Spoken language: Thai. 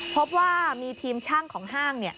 พบว่ามีทีมช่างของห้าง